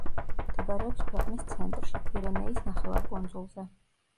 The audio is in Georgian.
მდებარეობს ქვეყნის ცენტრში, პირენეის ნახევარკუნძულზე.